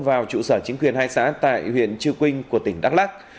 vào trụ sở chính quyền hai xã tại huyện chư quynh của tỉnh đắk lắc